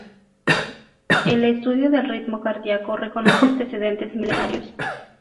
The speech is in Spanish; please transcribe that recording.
El estudio del ritmo cardíaco reconoce antecedentes milenarios.